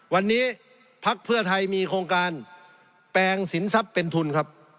วันนี้พักเพื่อไทยมีโครงการแปลงสินทรัพย์เป็นทุนครับ